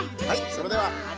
はいそれでは。